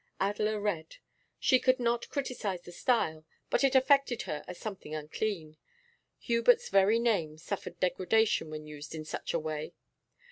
Adela read. She could not criticise the style, but it affected her as something unclean; Hubert's very name suffered degradation when used in such a way.